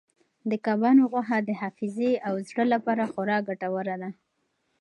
د کبانو غوښه د حافظې او زړه لپاره خورا ګټوره ده.